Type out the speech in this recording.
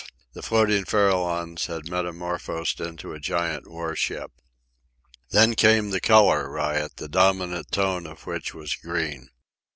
The floating Farallones had metamorphosed into a giant warship. Then came the colour riot, the dominant tone of which was green.